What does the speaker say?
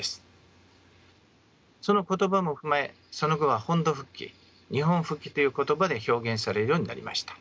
その言葉も踏まえその後は本土復帰日本復帰という言葉で表現されるようになりました。